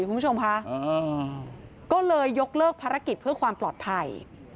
คุณผู้ชมค่ะก็เลยยกเลิกภารกิจเพื่อความปลอดภัย